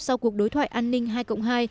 sau cuộc đối thoại an ninh hai hai